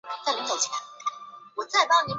随后苏毗国王没庐赞起兵叛乱。